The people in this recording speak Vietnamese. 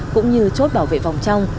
cũng như chốt bảo vệ vòng trong